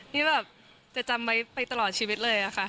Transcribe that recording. นี่แบบจะจำไว้ไปตลอดชีวิตเลยค่ะ